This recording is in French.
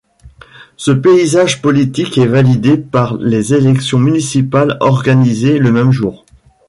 Ce paysage politique est validé par les élections municipales, organisées le même jour.